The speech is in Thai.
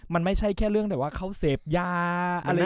มันไม่ใช่แค่เรื่องแบบว่าเขาเสพยาอะไร